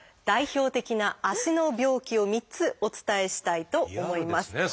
代表的な足の病気を３つお伝えしたいと思います。